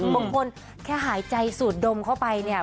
บางคนแค่หายใจสูตรดมเข้าไปเนี่ย